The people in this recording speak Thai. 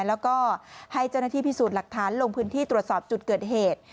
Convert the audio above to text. แล้วก็ให้เจ้าหน้าที่พิสูจน์หลักฐานลงพื้นที่ตรวจสอบจุดเกิดเหตุ